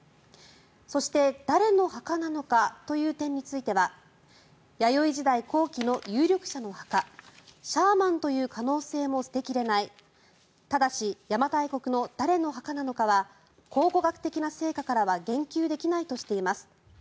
そして誰の墓なのかという点については弥生時代後期の有力者の墓シャーマンという可能性も捨て切れないただし邪馬台国の誰の墓なのかは考古学的な成果からは言及できないとしています。